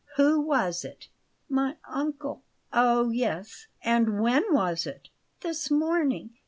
Who was it?" "My uncle." "Ah, yes! And when was it?" "This morning.